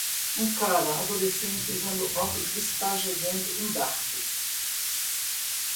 Um cara adolescente usando óculos está jogando um dardo.